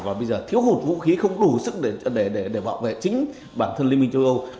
và bây giờ thiếu hụt vũ khí không đủ sức để bảo vệ chính bản thân liên minh châu âu